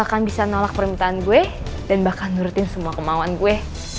akan bisa nolak permintaan gue dan bahkan menurutin semua kemauan gue